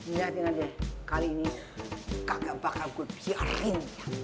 lihat lihat deh kali ini kagak bakal gue biarin